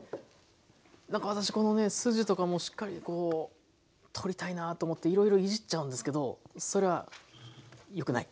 なんか私この筋とかもしっかりこう取りたいなと思っていろいろいじっちゃうんですけどそれはよくない？